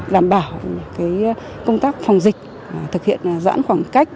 đảm bảo công tác phòng dịch thực hiện giãn khoảng cách